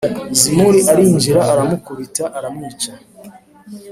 Zimuri arinjira aramukubita aramwica